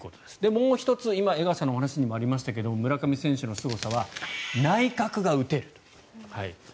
もう１つ、今江川さんのお話にもありましたが村上選手のすごさは内角が打てる。